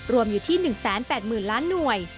รวมอยู่ที่๑๘๐๐๐ล้านหน่วย